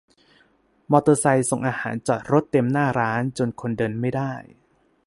มอเตอร์ไซค์ส่งอาหารจอดรถเต็มหน้าร้าน จนคนเดินไม่ได้